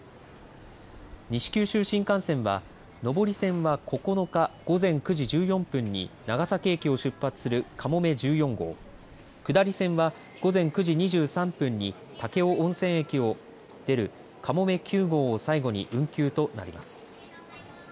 西九州新幹線は上り線は９日午前９時１４分に長崎駅を出発する、かもめ１４号下り線は午前９時２３分に武雄温泉駅を出るかもめ９号を最後に運休となります。